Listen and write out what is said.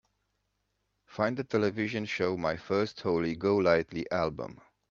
Find the television show My First Holly Golightly Album